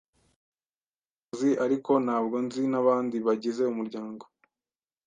Ndamuzi, ariko ntabwo nzi nabandi bagize umuryango.